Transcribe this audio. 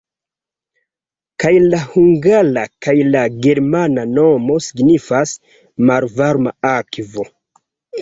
Kaj la hungara kaj la germana nomo signifas "malvarma akvo".